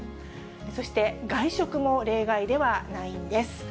そして外食も例外ではないんです。